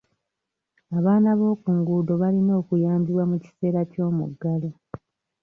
Abaana b'okunguudo balina okuyambibwa mu kiseera ky'omuggalo.